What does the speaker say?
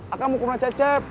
akang mau ke rumah cecep